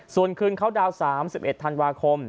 ส่วนคืนเขาดาวน์๓๑ธันวาคม